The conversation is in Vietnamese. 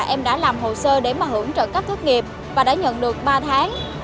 em đã làm hồ sơ để hưởng trợ cấp thuốc nghiệp và đã nhận được ba tháng